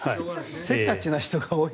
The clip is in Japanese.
せっかちな人が多い。